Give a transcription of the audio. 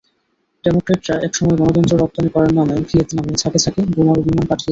ডেমোক্র্যাটরা একসময় গণতন্ত্র রপ্তানি করার নামে ভিয়েতনামে ঝাঁকে ঝাঁকে বোমারু বিমান পাঠিয়েছিল।